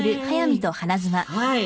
はい。